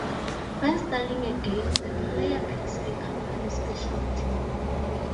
When starting a game, the player picks a company specialty.